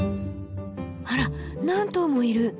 あら何頭もいる！